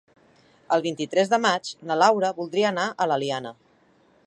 El vint-i-tres de maig na Laura voldria anar a l'Eliana.